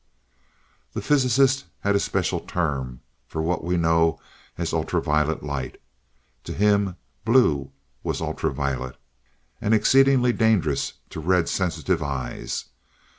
The physicist had a special term for what we know as ultra violet light. To him, blue was ultra violet, and exceedingly dangerous to red sensitive eyes.